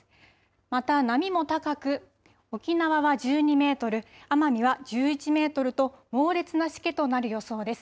また波も高く沖縄は１２メートル、奄美は１１メートルと猛烈なしけとなる予想です。